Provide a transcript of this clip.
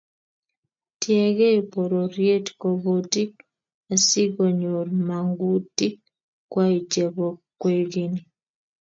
Tiegei pororiet kobotik asikonyor magutik kwai chebo kwekeny